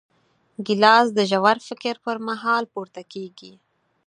ګیلاس د ژور فکر پر مهال پورته کېږي.